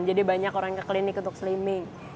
jadi banyak orang ke klinik untuk slimming